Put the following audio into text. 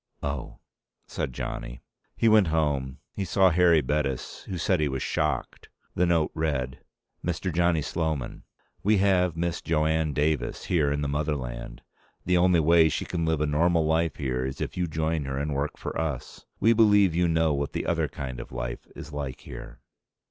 "Oh," said Johnny. He went home. He saw Harry Bettis, who said he was shocked. The note read: Mr. Johnny Sloman: We have Miss Jo Anne Davis here in the motherland. The only way she can live a normal life here is if you join her and work for us. We believe you know what the other kind of life is like here.